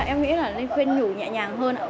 em nghĩ là nên khuyên nhủ nhẹ nhàng hơn